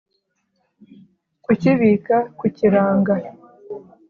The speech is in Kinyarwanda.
kukibika kukiranga